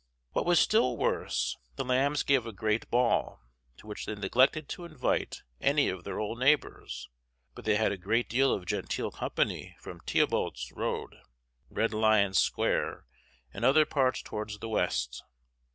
What was still worse, the Lambs gave a grand ball, to which they neglected to invite any of their old neighbors; but they had a great deal of genteel company from Theobald's Road, Red Lion Square, and other parts towards the west.